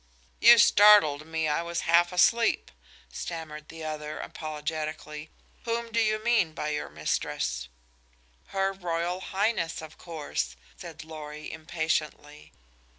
"You startled me I was half asleep," stammered the other, apologetically. "Whom do you mean by my mistress?" "Her Royal Highness, of course," said Lorry, impatiently.